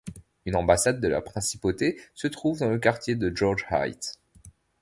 Une ambassade de la principauté se trouve dans le quartier de Georges Heights.